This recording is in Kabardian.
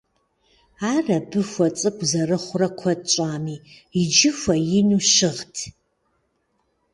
Ар абы хуэцӀыкӀу зэрыхъурэ куэд щӀами, иджы хуэину щыгът.